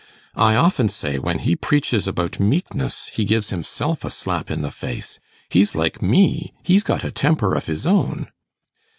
I often say, when he preaches about meekness, he gives himself a slap in the face. He's like me he's got a temper of his own.